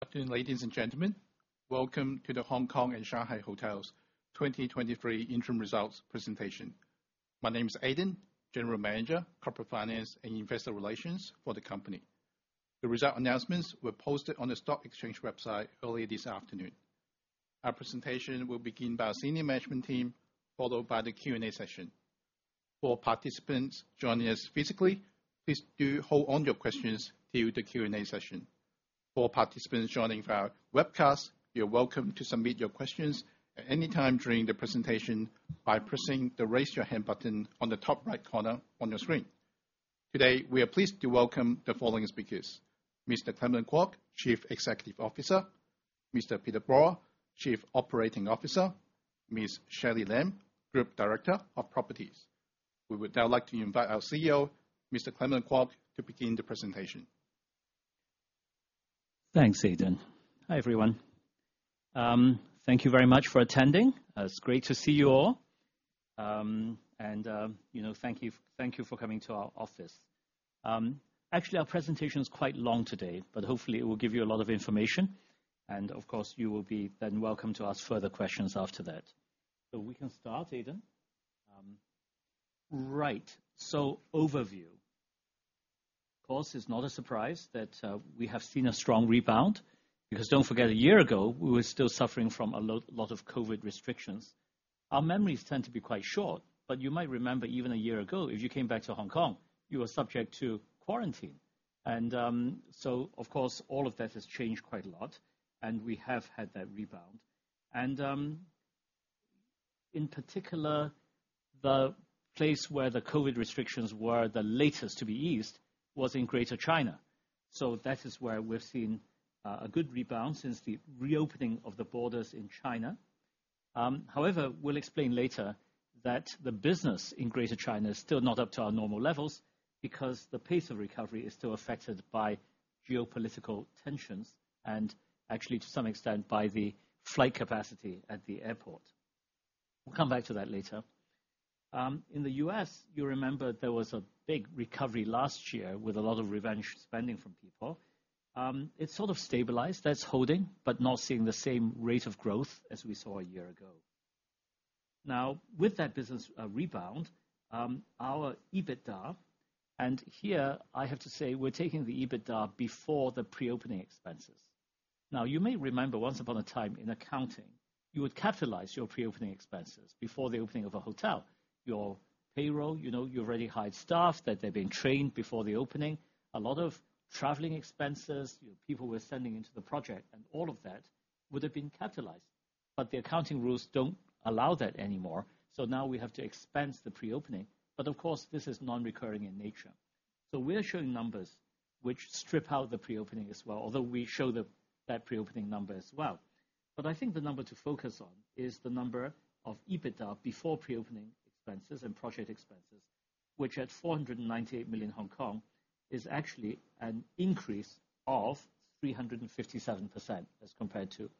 Good afternoon, ladies and gentlemen. Welcome to The Hongkong and Shanghai Hotels 2023 interim results presentation. My name is Aiden, General Manager, Corporate Finance and Investor Relations for the company. The result announcements were posted on the Stock Exchange website earlier this afternoon. Our presentation will begin by our senior management team, followed by the Q&A session. For participants joining us physically, please do hold all your questions till the Q&A session. For participants joining via webcast, you're welcome to submit your questions at any time during the presentation by pressing the Raise Your Hand button on the top right corner on your screen. Today, we are pleased to welcome the following speakers: Mr. Clement Kwok, Chief Executive Officer, Mr. Peter Borer, Chief Operating Officer, Ms. Shirley Lam, Group Director of Properties. We would now like to invite our CEO, Mr. Clement Kwok, to begin the presentation. Thanks, Aiden. Hi, everyone. Thank you very much for attending. It's great to see you all. You know, thank you, thank you for coming to our office. Actually, our presentation is quite long today, but hopefully it will give you a lot of information, and of course, you will be then welcome to ask further questions after that. We can start, Aiden. Right. Overview. Of course, it's not a surprise that we have seen a strong rebound, because don't forget, a year ago, we were still suffering from a lot of COVID-19 restrictions. Our memories tend to be quite short, but you might remember, even a year ago, if you came back to Hong Kong, you were subject to quarantine. So of course, all of that has changed quite a lot, and we have had that rebound. In particular, the place where the COVID-19 restrictions were the latest to be eased was in Greater China. That is where we've seen a good rebound since the reopening of the borders in China. However, we'll explain later that the business in Greater China is still not up to our normal levels because the pace of recovery is still affected by geopolitical tensions and actually, to some extent, by the flight capacity at the airport. We'll come back to that later. In the U.S., you remember there was a big recovery last year with a lot of revenge spending from people. It's sort of stabilized. That's holding, but not seeing the same rate of growth as we saw a year ago. With that business rebound, our EBITDA, and here I have to say, we're taking the EBITDA before the pre-opening expenses. You may remember, once upon a time in accounting, you would capitalize your pre-opening expenses before the opening of a hotel. Your payroll, you know, you already hired staff, that they've been trained before the opening. A lot of traveling expenses, you know, people were sending into the project, and all of that would have been capitalized, but the accounting rules don't allow that anymore, so now we have to expense the pre-opening. Of course, this is non-recurring in nature. We're showing numbers which strip out the pre-opening as well, although we show the, that pre-opening number as well. I think the number to focus on is the number of EBITDA before pre-opening expenses and project expenses, which at 498 million Hong Kong, is actually an increase of 357% as compared to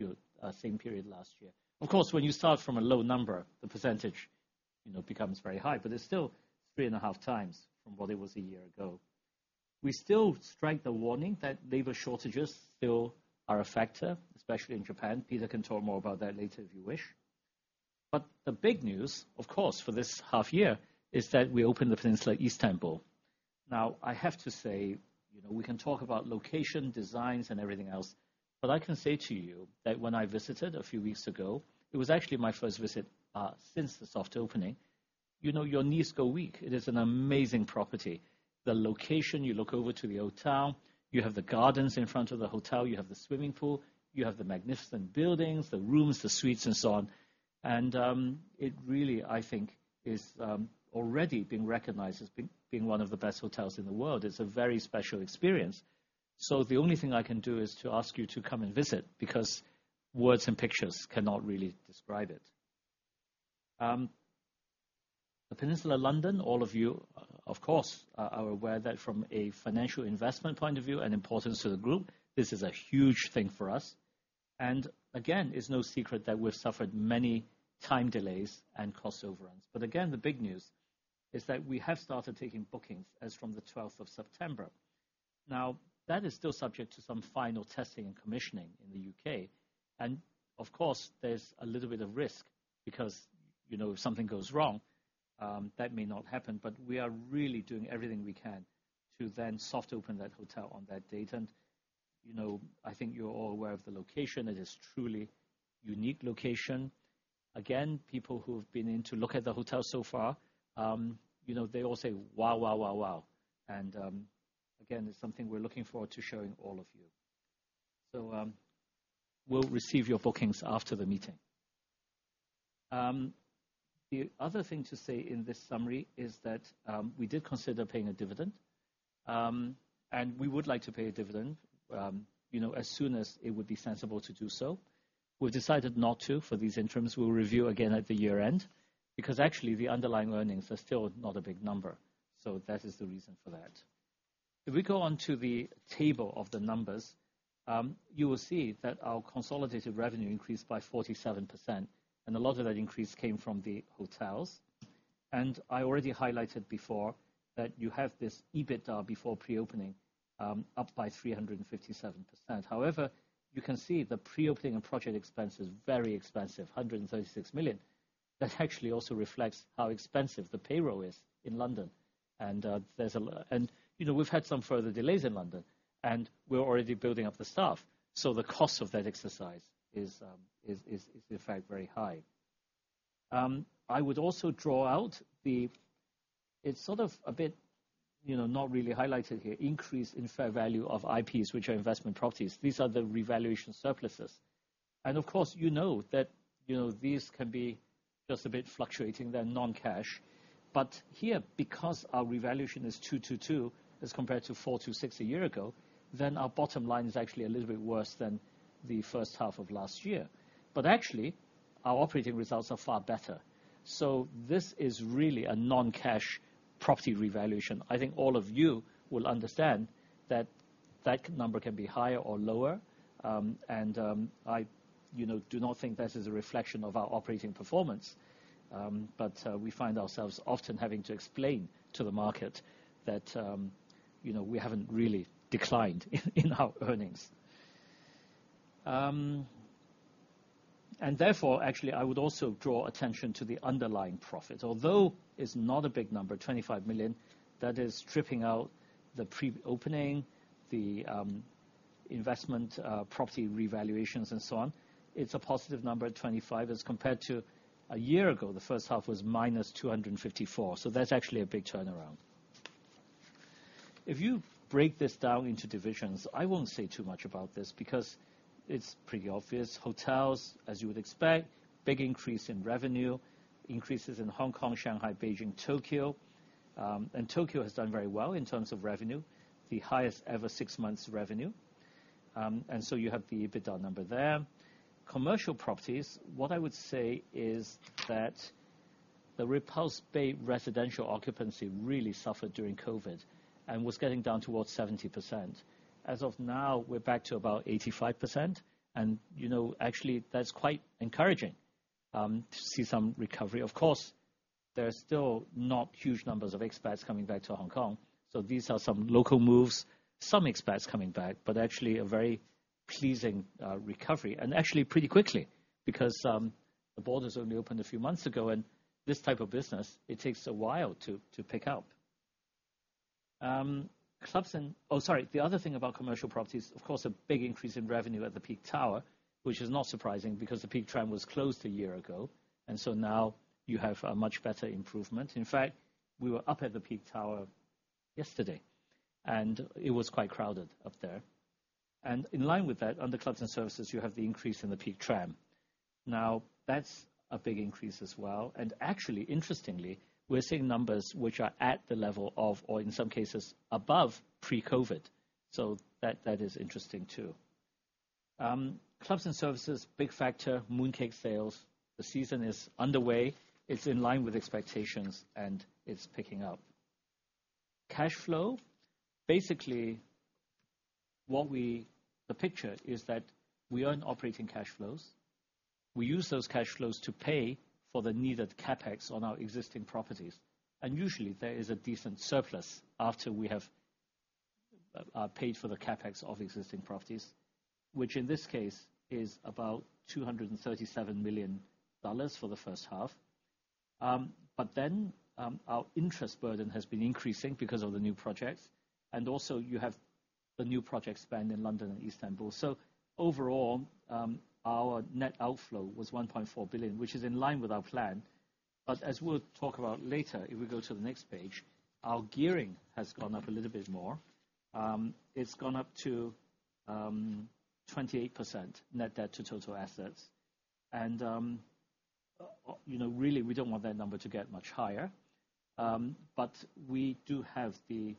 your same period last year. Of course, when you start from a low number, the percentage, you know, becomes very high, but it's still 3.5x from what it was a year ago. We still strike the warning that labor shortages still are a factor, especially in Japan. Peter can talk more about that later, if you wish. The big news, of course, for this half year is that we opened The Peninsula Istanbul. I have to say, you know, we can talk about location, designs, and everything else, but I can say to you that when I visited a few weeks ago, it was actually my first visit since the soft opening. You know, your knees go weak. It is an amazing property. The location, you look over to the Old Town, you have the gardens in front of the hotel, you have the swimming pool, you have the magnificent buildings, the rooms, the suites, and so on. It really, I think, is already being recognized as being one of the best hotels in the world. It's a very special experience. The only thing I can do is to ask you to come and visit, because words and pictures cannot really describe it. The Peninsula London, all of you, of course, are aware that from a financial investment point of view and importance to the group, this is a huge thing for us. Again, it's no secret that we've suffered many time delays and cost overruns. Again, the big news is that we have started taking bookings as from the 12th of September. Now, that is still subject to some final testing and commissioning in the U.K. Of course, there's a little bit of risk because, you know, if something goes wrong, that may not happen. We are really doing everything we can to then soft open that hotel on that date. You know, I think you're all aware of the location. It is truly unique location. Again, people who have been in to look at the hotel so far, you know, they all say, "Wow, wow, wow, wow!" Again, it's something we're looking forward to showing all of you. We'll receive your bookings after the meeting. The other thing to say in this summary is that, we did consider paying a dividend, and we would like to pay a dividend, you know, as soon as it would be sensible to do so. We've decided not to, for these interims, we'll review again at the year-end, because actually, the underlying earnings are still not a big number. That is the reason for that. If we go on to the table of the numbers, you will see that our consolidated revenue increased by 47%, and a lot of that increase came from the Hotels. I already highlighted before that you have this EBITDA before pre-opening, up by 357%. However, you can see the pre-opening and project expense is very expensive, 136 million. That actually also reflects how expensive the payroll is in London. There's a and, you know, we've had some further delays in London, and we're already building up the staff. The cost of that exercise is in fact, very high. I would also draw out the It's sort of a bit, you know, not really highlighted here, increase in fair value of IPs, which are investment properties. These are the revaluation surpluses. Of course, you know, that, you know, these can be just a bit fluctuating, they're non-cash. Here, because our revaluation is 222 million, as compared to 426 million a year ago, then our bottom line is actually a little bit worse than the first half of last year. Actually, our operating results are far better. This is really a non-cash property revaluation. I think all of you will understand that that number can be higher or lower. And, I, you know, do not think that is a reflection of our operating performance. But, we find ourselves often having to explain to the market that, you know, we haven't really declined in our earnings. And therefore, actually, I would also draw attention to the underlying profit. Although it's not a big number, 25 million, that is stripping out the pre-opening, the investment, property revaluations and so on. It's a positive number at 25 million, as compared to a year ago, the first half was -254 million. That's actually a big turnaround. If you break this down into divisions, I won't say too much about this because it's pretty obvious. Hotels, as you would expect, big increase in revenue, increases in Hong Kong, Shanghai, Beijing, Tokyo. Tokyo has done very well in terms of revenue, the highest ever six months revenue. You have the EBITDA number there. Commercial Properties, what I would say is that the Repulse Bay residential occupancy really suffered during COVID and was getting down towards 70%. As of now, we're back to about 85%, and, you know, actually, that's quite encouraging to see some recovery. Of course, there are still not huge numbers of expats coming back to Hong Kong, so these are some local moves, some expats coming back, but actually a very pleasing recovery, and actually pretty quickly, because the borders only opened a few months ago, and this type of business, it takes a while to, to pick up. Oh, sorry. The other thing about Commercial Properties, of course, a big increase in revenue at The Peak Tower, which The Peak Tram was closed a year ago, and so now you have a much better improvement. In fact, we were up at The Peak Tower yesterday, and it was quite crowded up there. In line with that, on the Clubs and Services, you The Peak Tram. that's a big increase as well. Actually, interestingly, we're seeing numbers which are at the level of, or in some cases, above pre-COVID. That, that is interesting, too. Clubs and Services, big factor, mooncake sales. The season is underway. It's in line with expectations, and it's picking up. Cash flow, basically, the picture is that we earn operating cash flows. We use those cash flows to pay for the needed CapEx on our existing properties. Usually, there is a decent surplus after we have paid for the CapEx of existing properties, which in this case is about $237 million for the first half. Our interest burden has been increasing because of the new projects, and also you have the new project spend in London and Istanbul. Overall, our net outflow was 1.4 billion, which is in line with our plan. As we'll talk about later, if we go to the next page, our gearing has gone up a little bit more. It's gone up to 28% net debt to total assets. You know, really, we don't want that number to get much higher. We do have the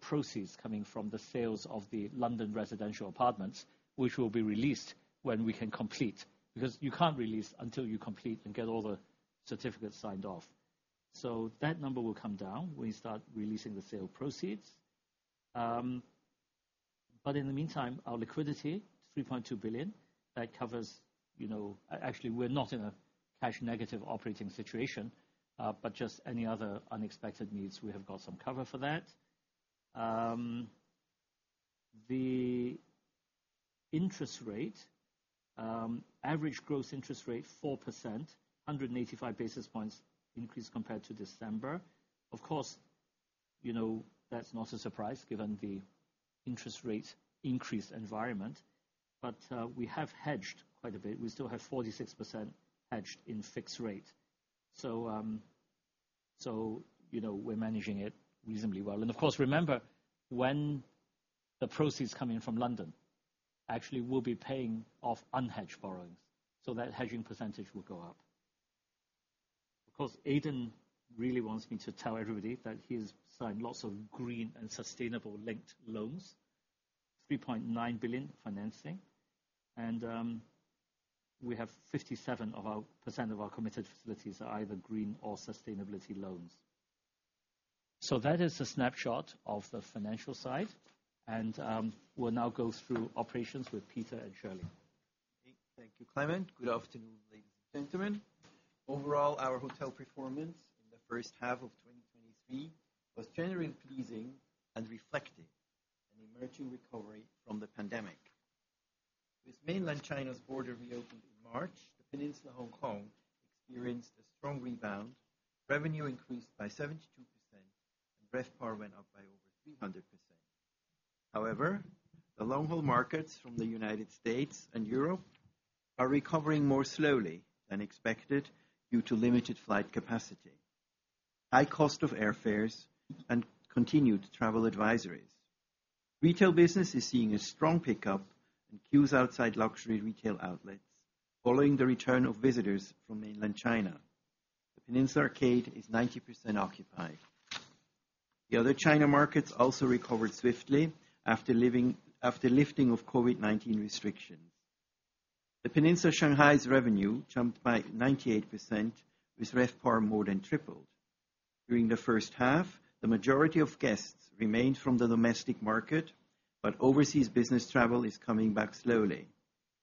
proceeds coming from the sales of the London residential apartments, which will be released when we can complete, because you can't release until you complete and get all the certificates signed off. That number will come down when you start releasing the sale proceeds. In the meantime, our liquidity, 3.2 billion, that covers, you know.. Actually, we're not in a cash-negative operating situation, but just any other unexpected needs, we have got some cover for that. The interest rate, average gross interest rate, 4%, 185 basis points increase compared to December. Of course, you know, that's not a surprise, given the interest rate increase environment, but we have hedged quite a bit. We still have 46% hedged in fixed rate. You know, we're managing it reasonably well. Of course, remember, when the proceeds coming in from London, actually, we'll be paying off unhedged borrowings, so that hedging percentage will go up. Of course, Aiden really wants me to tell everybody that he's signed lots of green and sustainablity-linked loans, $3.9 billion financing, and we have 57% of our committed facilities are either green or sustainability loans. That is a snapshot of the financial side, and we'll now go through operations with Peter and Shirley. Thank you, Clement. Good afternoon, ladies and gentlemen. Overall, our hotel performance in the first half of 2023 was generally pleasing and reflecting an emerging recovery from the pandemic. With Mainland China's border reopened in March, The Peninsula Hong Kong experienced a strong rebound. Revenue increased by 72% and RevPAR went up by over 300%. However, the long-haul markets from the United States and Europe are recovering more slowly than expected due to limited flight capacity, high cost of airfares, and continued travel advisories. Retail business is seeing a strong pickup and queues outside luxury retail outlets, following the return of visitors from Mainland China. The Peninsula Arcade is 90% occupied. The other China markets also recovered swiftly after lifting of COVID-19 restrictions. The Peninsula Shanghai's revenue jumped by 98%, with RevPAR more than tripled. During the first half, the majority of guests remained from the domestic market, but overseas business travel is coming back slowly,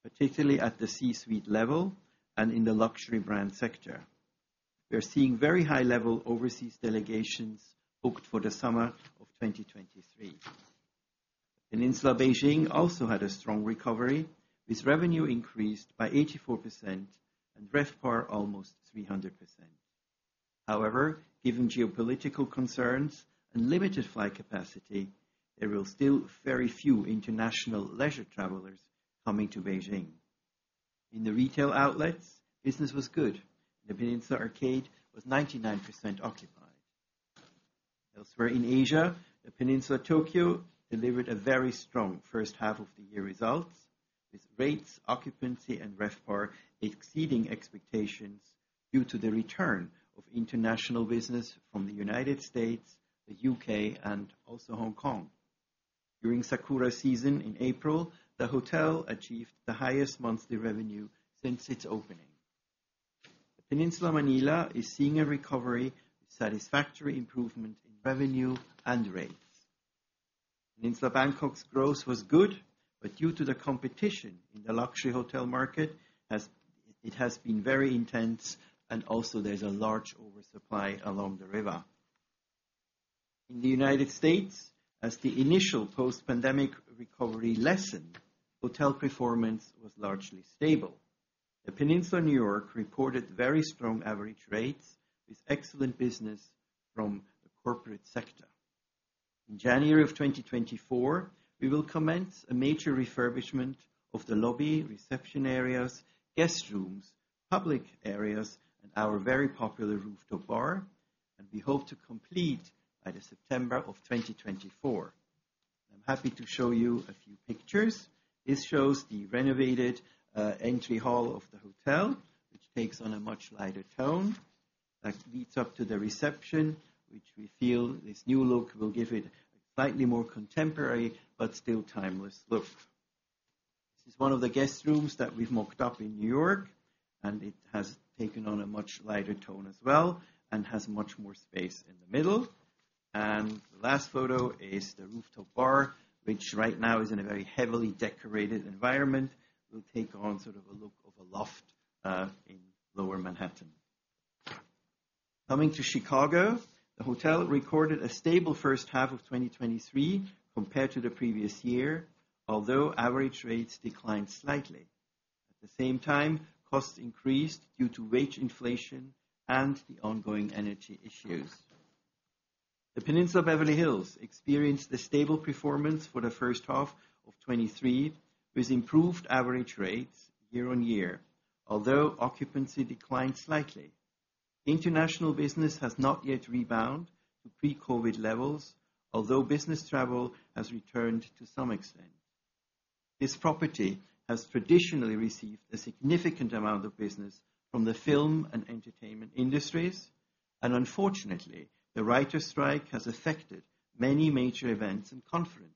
particularly at the C-suite level and in the luxury brand sector. We are seeing very high-level overseas delegations booked for the summer of 2023. The Peninsula Beijing also had a strong recovery, with revenue increased by 84% and RevPAR almost 300%. However, given geopolitical concerns and limited flight capacity, there were still very few international leisure travelers coming to Beijing. In the retail outlets, business was good. The Peninsula Arcade was 99% occupied. Elsewhere in Asia, The Peninsula Tokyo delivered a very strong first half of the year results, with rates, occupancy, and RevPAR exceeding expectations due to the return of international business from the U.S., the U.K., and also Hong Kong. During Sakura season in April, the hotel achieved the highest monthly revenue since its opening. The Peninsula Manila is seeing a recovery, satisfactory improvement in revenue and rates. The Peninsula Bangkok's growth was good, but due to the competition in the luxury hotel market, it has been very intense, and also there's a large oversupply along the river. In the United States, as the initial post-pandemic recovery lessened, hotel performance was largely stable. The Peninsula New York reported very strong average rates with excellent business from the corporate sector. In January of 2024, we will commence a major refurbishment of the lobby, reception areas, guest rooms, public areas, and our very popular rooftop bar, and we hope to complete by the September of 2024. I'm happy to show you a few pictures. This shows the renovated, entry hall of the hotel, which takes on a much lighter tone that leads up to the reception, which we feel this new look will give it a slightly more contemporary, but still timeless look. This is one of the guest rooms that we've mocked up in New York, and it has taken on a much lighter tone as well, and has much more space in the middle. And the last photo is the rooftop bar, which right now is in a very heavily decorated environment. It will take on sort of a look of a loft, in Lower Manhattan. Coming to Chicago, the hotel recorded a stable first half of 2023 compared to the previous year, although average rates declined slightly. At the same time, costs increased due to wage inflation and the ongoing energy issues. The Peninsula Beverly Hills experienced a stable performance for the first half of 2023, with improved average rates year-on-year, although occupancy declined slightly. International business has not yet rebound to pre-COVID levels, although business travel has returned to some extent. This property has traditionally received a significant amount of business from the film and entertainment industries, and unfortunately, the writers' strike has affected many major events and conferences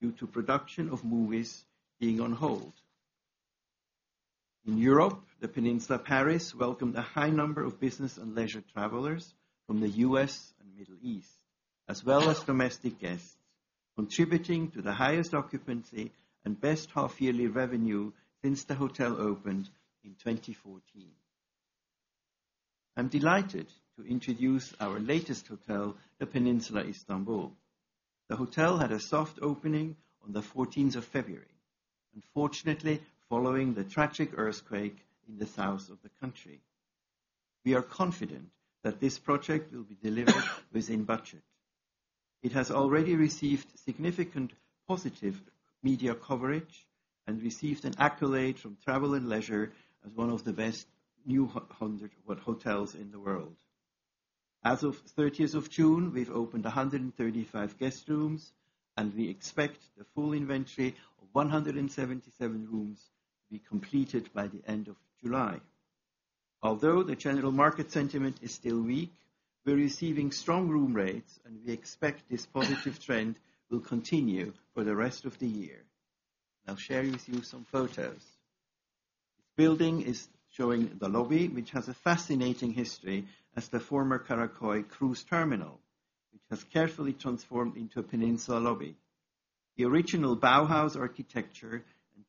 due to production of movies being on hold. In Europe, The Peninsula Paris welcomed a high number of business and leisure travelers from the U.S. and Middle East, as well as domestic guests, contributing to the highest occupancy and best half-yearly revenue since the hotel opened in 2014. I'm delighted to introduce our latest hotel, The Peninsula Istanbul. The hotel had a soft opening on the 14th of February, unfortunately, following the tragic earthquake in the south of the country. We are confident that this project will be delivered within budget. It has already received significant positive media coverage and received an accolade from Travel + Leisure as one of The 100 Best New Hotels in the world. As of 13th of June, we've opened 135 guest rooms, and we expect the full inventory of 177 rooms to be completed by the end of July. Although the general market sentiment is still weak, we're receiving strong room rates, and we expect this positive trend will continue for the rest of the year. I'll share with you some photos. This building is showing the lobby, which has a fascinating history as the former Karaköy cruise terminal, which has carefully transformed into a Peninsula lobby. The original Bauhaus architecture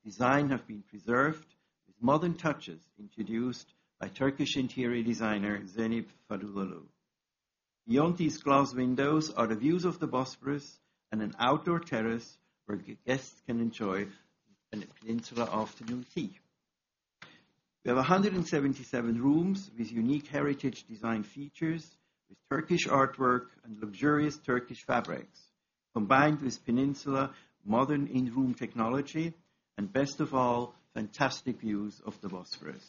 and design have been preserved, with modern touches introduced by Turkish interior designer, Zeynep Fadıllıoğlu. Beyond these glass windows are the views of the Bosphorus and an outdoor terrace where guests can enjoy a Peninsula afternoon tea. We have 177 rooms with unique heritage design features, with Turkish artwork and luxurious Turkish fabrics, combined with Peninsula modern in-room technology, and best of all, fantastic views of the Bosphorus.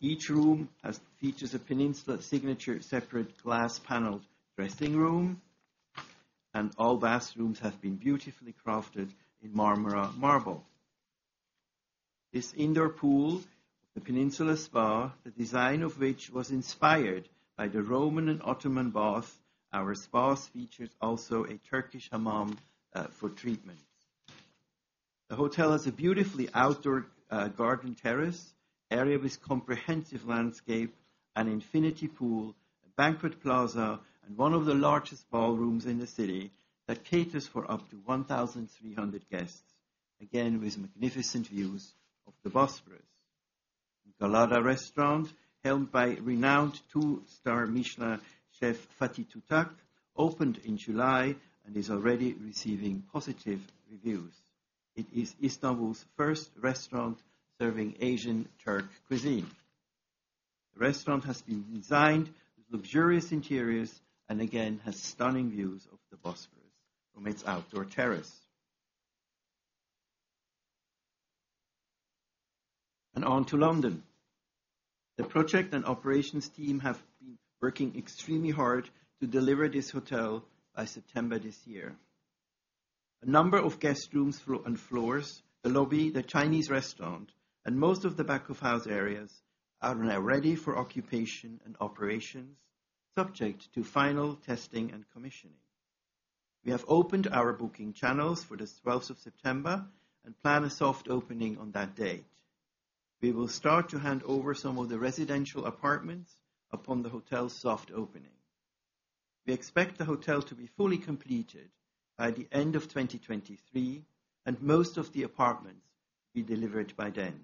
Each room has features a Peninsula signature separate glass-paneled dressing room, and all bathrooms have been beautifully crafted in Marmara marble. This indoor pool, The Peninsula Spa, the design of which was inspired by the Roman and Ottoman bath. Our spas features also a Turkish ḥammām for treatment. The hotel has a beautifully outdoor garden terrace area with comprehensive landscape, an infinity pool, a banquet plaza, and one of the largest ballrooms in the city that caters for up to 1,300 guests, again, with magnificent views of the Bosphorus. GALLADA restaurant, helmed by renowned two-star Michelin chef Fatih Tutak, opened in July and is already receiving positive reviews. It is Istanbul's first restaurant serving Asian-Turk cuisine. The restaurant has been designed with luxurious interiors and again, has stunning views of the Bosphorus from its outdoor terrace. On to London. The project and operations team have been working extremely hard to deliver this hotel by September this year. A number of guest rooms and floors, the lobby, the Chinese restaurant, and most of the back-of-house areas are now ready for occupation and operations, subject to final testing and commissioning. We have opened our booking channels for the 12th of September and plan a soft opening on that date. We will start to hand over some of the residential apartments upon the hotel's soft opening. We expect the hotel to be fully completed by the end of 2023, and most of the apartments will be delivered by then.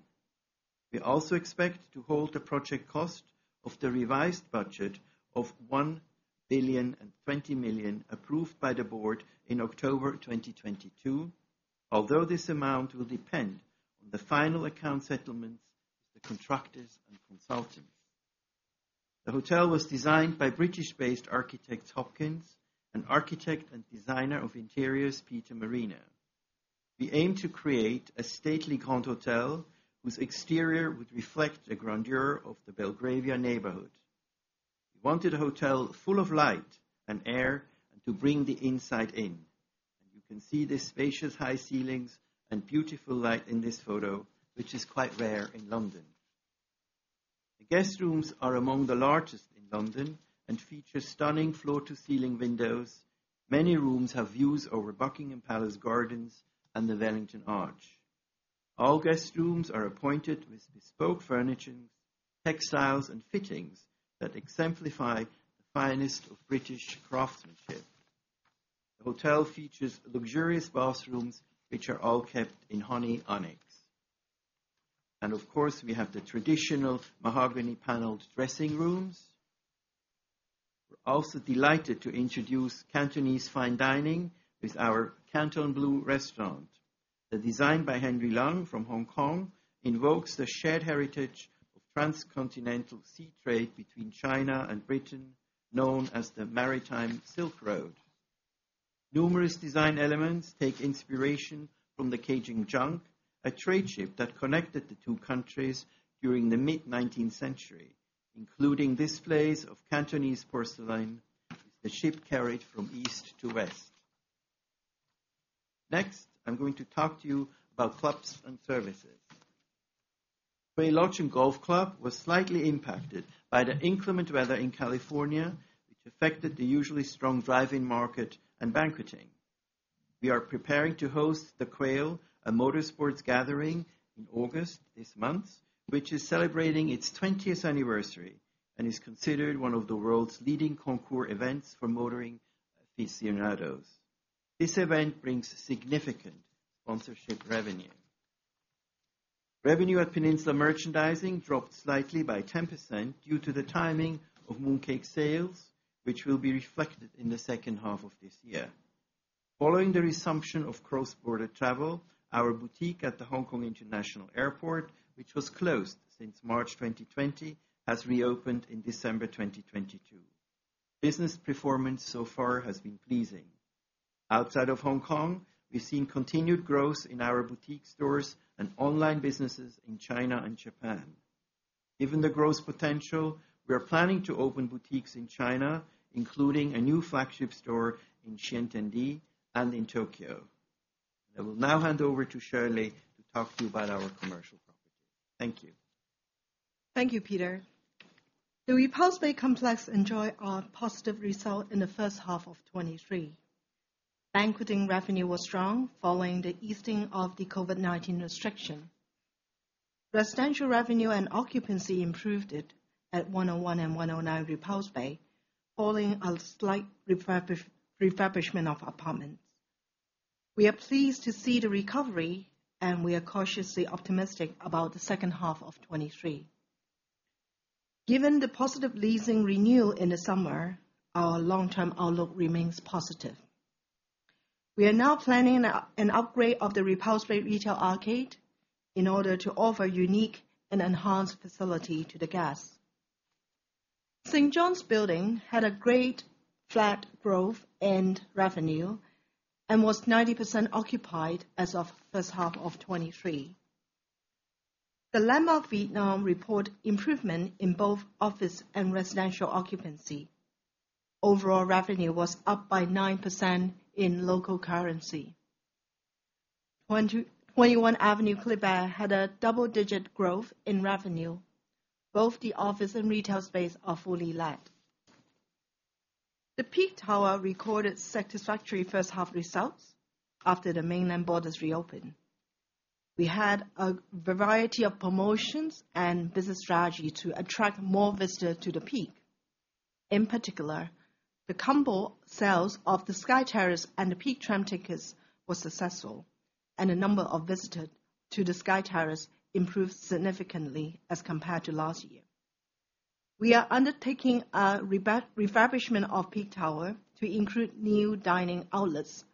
We also expect to hold the project cost of the revised budget of 1.02 billion, approved by the board in October 2022. This amount will depend on the final account settlements with the contractors and consultants. The hotel was designed by British-based Hopkins Architect, and architect and designer of interiors, Peter Marino. We aim to create a stately grand hotel whose exterior would reflect the grandeur of the Belgravia neighborhood. We wanted a hotel full of light and air, and to bring the inside in. You can see the spacious, high ceilings and beautiful light in this photo, which is quite rare in London. The guest rooms are among the largest in London and feature stunning floor-to-ceiling windows. Many rooms have views over Buckingham Palace Gardens and the Wellington Arch. All guest rooms are appointed with bespoke furnishings, textiles, and fittings that exemplify the finest of British craftsmanship. The hotel features luxurious bathrooms, which are all kept in honey onyx. Of course, we have the traditional mahogany-paneled dressing rooms. We're also delighted to introduce Cantonese fine dining with our Canton Blue restaurant. The design by Henry Leung from Hong Kong invokes the shared heritage of transcontinental sea trade between China and Britain, known as the Maritime Silk Road. Numerous design elements take inspiration from the Keying junk, a trade ship that connected the two countries during the mid-19th century, including displays of Cantonese porcelain the ship carried from east to west. Next, I'm going to talk to you about Clubs and Services. The Quail Lodge and Golf Club was slightly impacted by the inclement weather in California, which affected the usually strong drive-in market and banqueting. We are preparing to host The Quail, a motorsports gathering, in August this month, which is celebrating its 20th anniversary and is considered one of the world's leading concours events for motoring aficionados. This event brings significant sponsorship revenue. Revenue at Peninsula Merchandising dropped slightly by 10% due to the timing of mooncake sales, which will be reflected in the second half of this year. Following the resumption of cross-border travel, our boutique at the Hong Kong International Airport, which was closed since March 2020, has reopened in December 2022. Business performance so far has been pleasing. Outside of Hong Kong, we've seen continued growth in our boutique stores and online businesses in China and Japan. Given the growth potential, we are planning to open boutiques in China, including a new flagship store in Xintiandi and in Tokyo. I will now hand over to Shirley to talk to you about our Commercial Properties. Thank you. Thank you, Peter. The Repulse Bay complex enjoyed a positive result in the first half of 2023. Banqueting revenue was strong following the easing of the COVID-19 restriction. Residential revenue and occupancy improved at 101 and 109 Repulse Bay, following a slight refurbishment of apartments. We are pleased to see the recovery, and we are cautiously optimistic about the second half of 2023. Given the positive leasing renewal in the summer, our long-term outlook remains positive. We are now planning an upgrade of the Repulse Bay retail arcade in order to offer unique and enhanced facility to the guests. St. John's Building had a great flat growth and revenue and was 90% occupied as of first half of 2023. The Landmark Vietnam, report improvement in both office and residential occupancy. Overall revenue was up by 9% in local currency. Twenty-one Avenue Kléber had a double-digit growth in revenue. Both the office and retail space are fully let. The Peak Tower recorded satisfactory first half results after the mainland borders reopened. We had a variety of promotions and business strategy to attract more visitors to The Peak. In particular, the combo sales of The Peak Tram tickets were successful, and the number of visitors to the Sky Terrace improved significantly as compared to last year. We are undertaking a refurbishment of Peak Tower to include new dining outlets,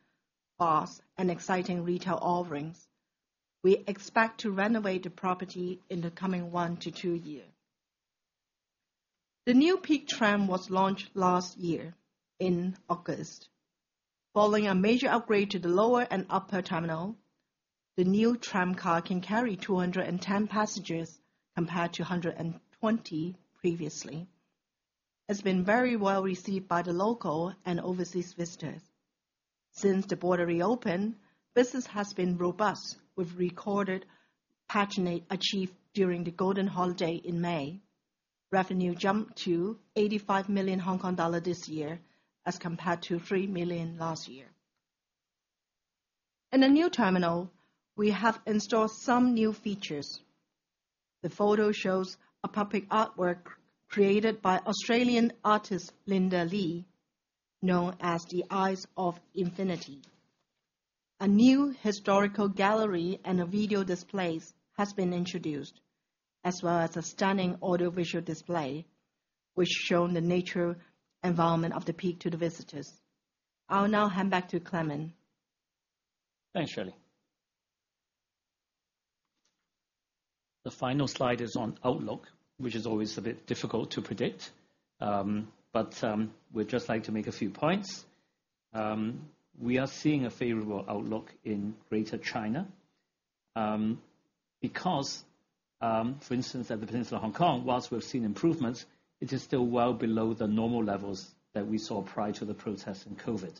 bars, and exciting retail offerings. We expect to renovate the property in the coming one to two years. The new Peak Tram was launched last year in August. Following a major upgrade to the lower and upper terminal, the new tram car can carry 210 passengers, compared to 120 previously. It's been very well received by the local and overseas visitors. Since the border reopened, business has been robust, with recorded patronage achieved during the Golden Week holiday in May. Revenue jumped to 85 million Hong Kong dollar this year, as compared to 3 million last year. In the new terminal, we have installed some new features. The photo shows a public artwork created by Australian artist, Lindy Lee, known as The Eyes of Infinity. A new historical gallery and a video displays has been introduced, as well as a stunning audiovisual display, which show the nature environment of The Peak to the visitors. I'll now hand back to Clement. Thanks, Shirley. The final slide is on outlook, which is always a bit difficult to predict, we'd just like to make a few points. We are seeing a favorable outlook in Greater China, because, for instance, at The Peninsula Hong Kong, whilst we've seen improvements, it is still well below the normal levels that we saw prior to the protest and COVID.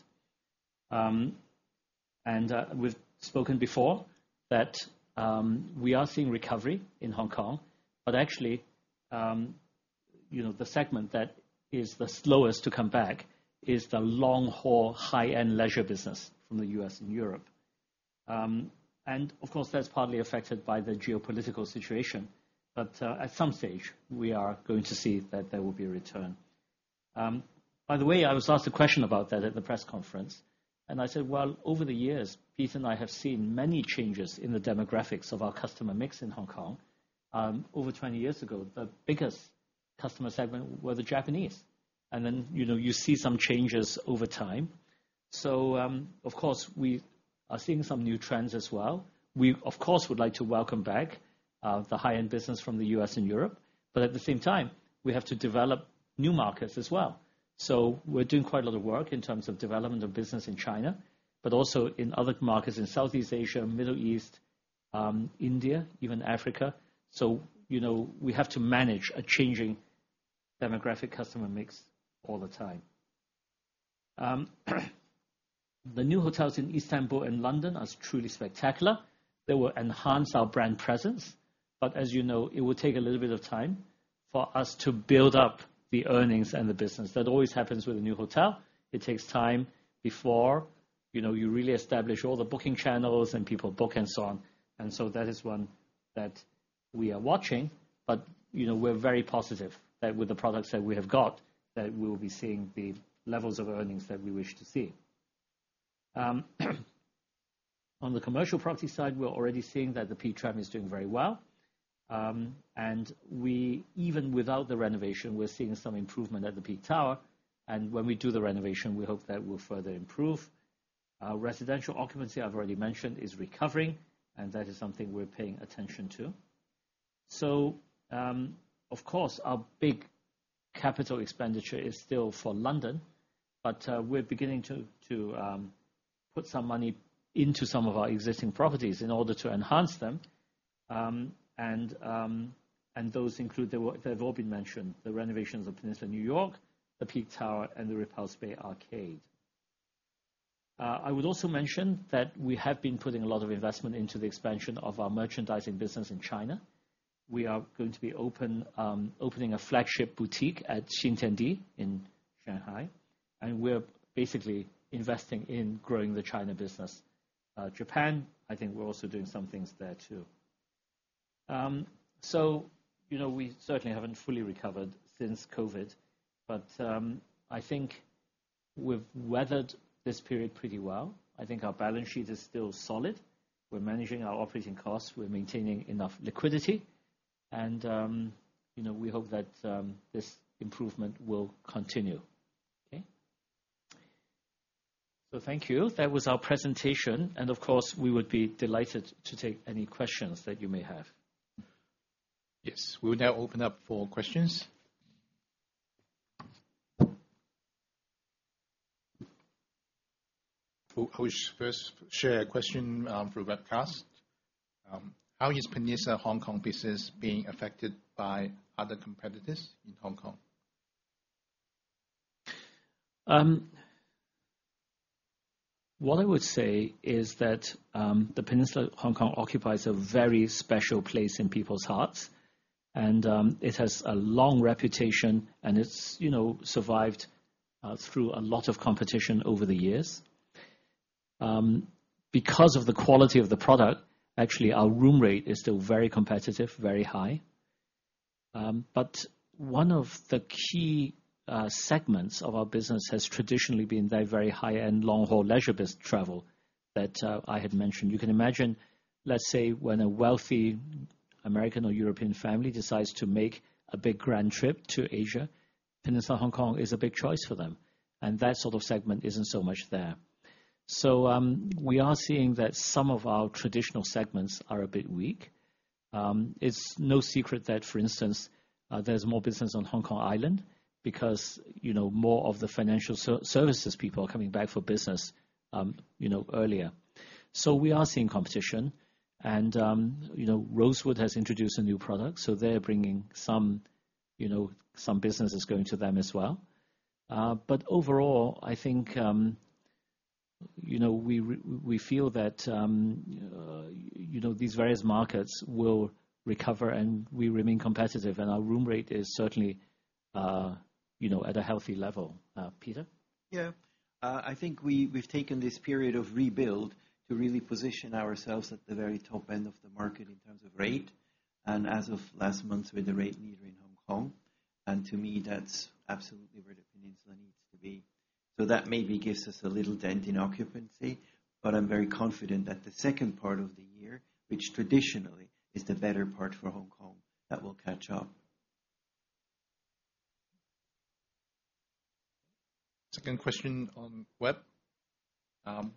We've spoken before that, we are seeing recovery in Hong Kong, but actually, you know, the segment that is the slowest to come back is the long-haul, high-end leisure business from the U.S. and Europe. Of course, that's partly affected by the geopolitical situation, but at some stage, we are going to see that there will be a return. By the way, I was asked a question about that at the press conference. I said, "Well, over the years, Peter and I have seen many changes in the demographics of our customer mix in Hong Kong. Over 20 years ago, the biggest customer segment were the Japanese, and then, you know, you see some changes over time." Of course, we are seeing some new trends as well. We, of course, would like to welcome back, the high-end business from the U.S. and Europe. At the same time, we have to develop new markets as well. We're doing quite a lot of work in terms of development of business in China, but also in other markets in Southeast Asia, Middle East, India, even Africa. You know, we have to manage a changing demographic customer mix all the time. The new hotels in Istanbul and London are truly spectacular. They will enhance our brand presence, but as you know, it will take a little bit of time for us to build up the earnings and the business. That always happens with a new hotel. It takes time before, you know, you really establish all the booking channels and people book and so on. That is one that we are watching, but, you know, we're very positive that with the products that we have got, that we will be seeing the levels of earnings that we wish to see. On the Commercial Properties side, The Peak Tram is doing very well. Even without the renovation, we're seeing some improvement at The Peak Tower, and when we do the renovation, we hope that will further improve. Our residential occupancy, I've already mentioned, is recovering, and that is something we're paying attention to. Of course, our big capital expenditure is still for London, but we're beginning to put some money into some of our existing properties in order to enhance them. Those include they've all been mentioned, the renovations of The Peninsula New York, The Peak Tower, and The Repulse Bay Arcade. I would also mention that we have been putting a lot of investment into the expansion of our merchandising business in China. We are going to be open, opening a flagship boutique at Xintiandi, in Shanghai, and we're basically investing in growing the China business. Japan, I think we're also doing some things there, too. You know, we certainly haven't fully recovered since COVID, but I think we've weathered this period pretty well. I think our balance sheet is still solid. We're managing our operating costs, we're maintaining enough liquidity, and you know, we hope that this improvement will continue. Okay. Thank you. That was our presentation, and of course, we would be delighted to take any questions that you may have. Yes, we will now open up for questions. I will first share a question through webcast. How is Peninsula Hong Kong business being affected by other competitors in Hong Kong? What I would say is that The Peninsula Hong Kong occupies a very special place in people's hearts, and it has a long reputation, and it's, you know, survived through a lot of competition over the years. Because of the quality of the product, actually, our room rate is still very competitive, very high. One of the key segments of our business has traditionally been very, very high-end, long-haul leisure travel that I had mentioned. You can imagine, let's say, when a wealthy American or European family decides to make a big grand trip to Asia, Peninsula Hong Kong is a big choice for them, and that sort of segment isn't so much there. We are seeing that some of our traditional segments are a bit weak. It's no secret that, for instance, there's more business on Hong Kong Island because, you know, more of the financial services people are coming back for business, you know, earlier. We are seeing competition, you know, Rosewood has introduced a new product, so they're bringing some, you know, some business is going to them as well. Overall, I think, you know, we feel that, you know, these various markets will recover, and we remain competitive, and our room rate is certainly, you know, at a healthy level. Peter? Yeah. I think we've taken this period of rebuild to really position ourselves at the very top end of the market in terms of rate, as of last month, we're the rate leader in Hong Kong. To me, that's absolutely where The Peninsula needs to be. That maybe gives us a little dent in occupancy, but I'm very confident that the second part of the year, which traditionally is the better part for Hong Kong, that will catch up. Second question on web.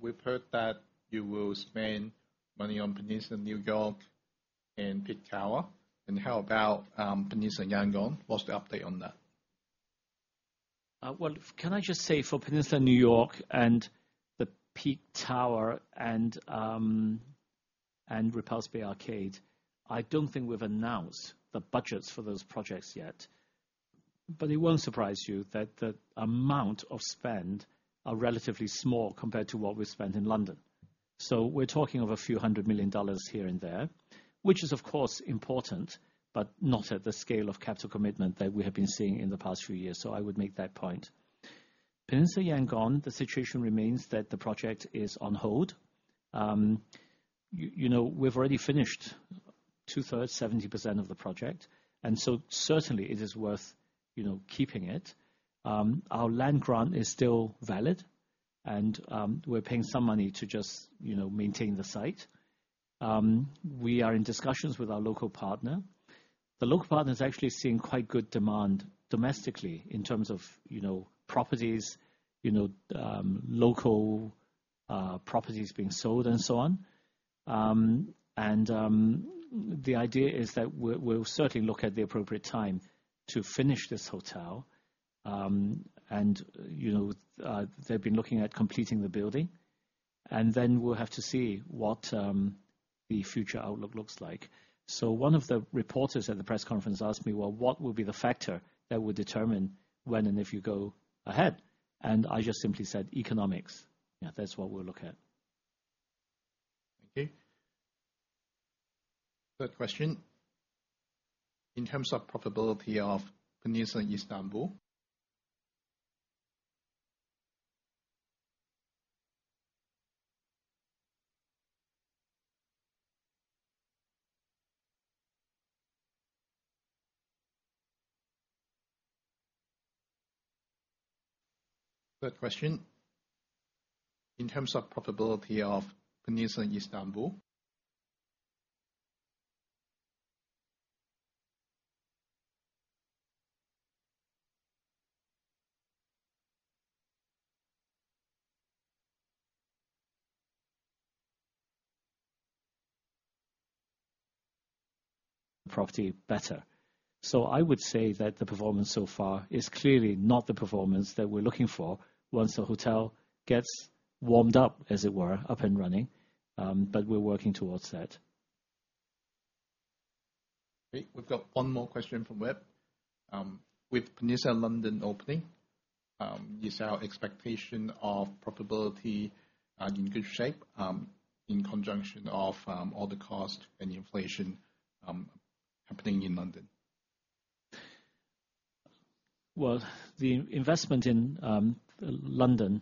We've heard that you will spend money on Peninsula New York and Peak Tower, and how about Peninsula Yangon? What's the update on that? Well, can I just say, for Peninsula New York and The Peak Tower and Repulse Bay Arcade, I don't think we've announced the budgets for those projects yet. It won't surprise you that the amount of spend are relatively small compared to what we spent in London. We're talking of a few hundred million dollars here and there, which is, of course, important, but not at the scale of capital commitment that we have been seeing in the past few years, so I would make that point. Peninsula Yangon, the situation remains that the project is on hold. You know, we've already finished two-thirds, 70% of the project, and so certainly it is worth, you know, keeping it. Our land grant is still valid, and we're paying some money to just, you know, maintain the site. We are in discussions with our local partner. The local partner is actually seeing quite good demand domestically in terms of, you know, properties, you know, local properties being sold and so on. The idea is that we'll, we'll certainly look at the appropriate time to finish this hotel. You know, they've been looking at completing the building, and then we'll have to see what the future outlook looks like. One of the reporters at the press conference asked me, "Well, what will be the factor that will determine when and if you go ahead?" I just simply said, "Economics." Yeah, that's what we'll look at. Okay. Third question: In terms of profitability of Peninsula Istanbul? Third question: In terms of profitability of Peninsula Istanbul? [inaudible] better. I would say that the performance so far is clearly not the performance that we're looking for once the hotel gets warmed up, as it were, up and running, but we're working towards that. Great, we've got one more question from web. With Peninsula London opening, is our expectation of profitability in good shape, in conjunction of all the cost and inflation happening in London? Well, the investment in London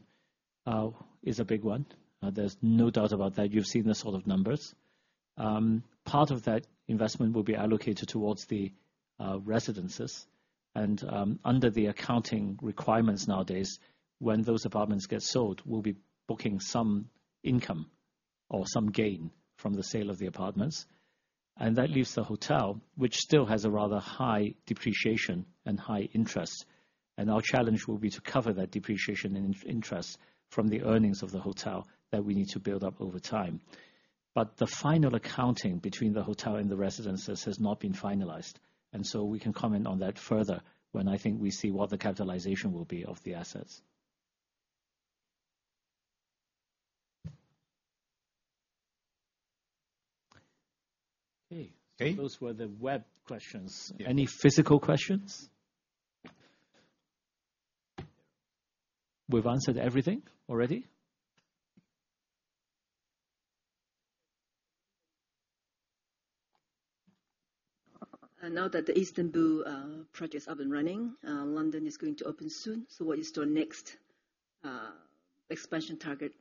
is a big one. There's no doubt about that. You've seen the sort of numbers. Part of that investment will be allocated towards the residences. Under the accounting requirements nowadays, when those apartments get sold, we'll be booking some income or some gain from the sale of the apartments. That leaves the hotel, which still has a rather high depreciation and high interest. Our challenge will be to cover that depreciation and interest from the earnings of the hotel that we need to build up over time. The final accounting between the hotel and the residences has not been finalized, we can comment on that further when I think we see what the capitalization will be of the assets. Okay. Okay? Those were the web questions. Any physical questions? We've answered everything already? Now that the Istanbul project is up and running, London is going to open soon, so what is your next expansion target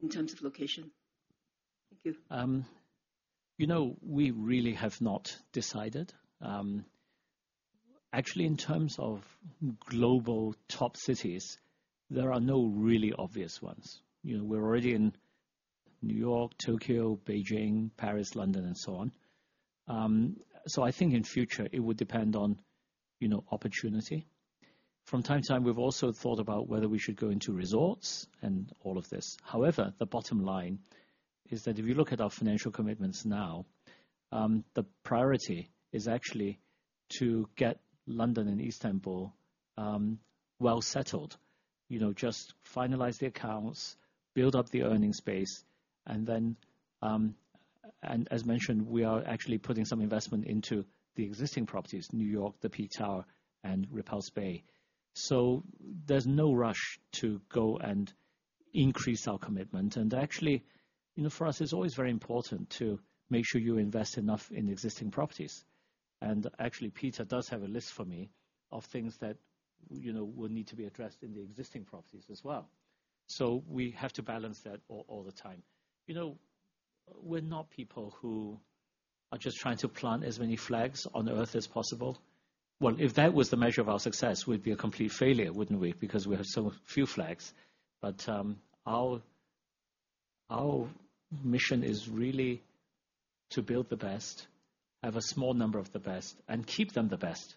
in terms of location? Thank you. You know, we really have not decided. Actually, in terms of global top cities, there are no really obvious ones. You know, we're already in New York, Tokyo, Beijing, Paris, London, and so on. I think in future, it would depend on, you know, opportunity. From time to time, we've also thought about whether we should go into resorts and all of this. However, the bottom line is that if you look at our financial commitments now, the priority is actually to get London and Istanbul well settled. You know, just finalize the accounts, build up the earning space, and then. As mentioned, we are actually putting some investment into the existing properties, New York, The Peak Tower, and Repulse Bay. There's no rush to go and increase our commitment. Actually, you know, for us, it's always very important to make sure you invest enough in existing properties. Actually, Peter does have a list for me of things that, you know, will need to be addressed in the existing properties as well. We have to balance that all, all the time. You know, we're not people who are just trying to plant as many flags on Earth as possible. Well, if that was the measure of our success, we'd be a complete failure, wouldn't we? Because we have so few flags. Our, our mission is really to build the best, have a small number of the best, and keep them the best.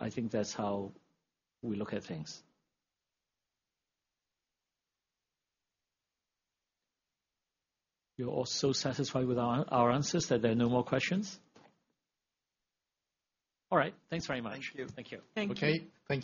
I think that's how we look at things. You're all so satisfied with our, our answers that there are no more questions? All right. Thanks very much. Thank you. Thank you. Thank you. Okay, thank you.